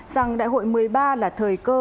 rằng đại hội một mươi ba là thời cơ